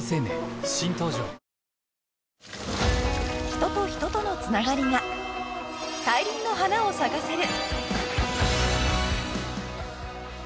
人と人との繋がりが大輪の花を咲かせる。